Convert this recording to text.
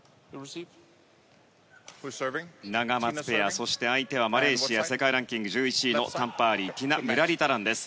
ナガマツペア、そして相手はマレーシア、世界ランク１１位のタン・パーリーティナ・ムラリタランです。